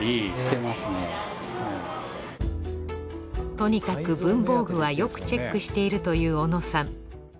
とにかく文房具はよくチェックしているという小野さん。